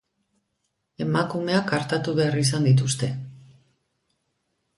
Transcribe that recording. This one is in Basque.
Emakumeak artatu behar izan dituzte.